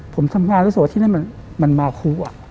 ผมทำงานรู้สึกว่าที่นั่นมันมาคู่